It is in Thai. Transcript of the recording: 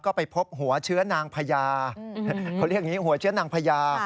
ก็ไปพบหัวเชื้อนางพญาเขาเรียกอย่างนี้หัวเชื้อนางพญา